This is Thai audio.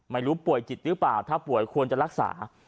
ป่วยจิตหรือเปล่าถ้าป่วยควรจะรักษา